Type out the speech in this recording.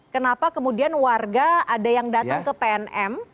kenapa kemudian warga ada yang datang ke pnm